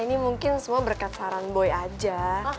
ini mungkin semua berkat saran boy aja